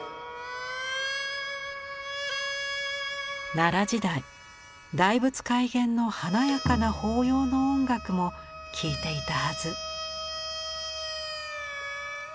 奈良時代大仏開眼の華やかな法要の音楽も聴いていたはず。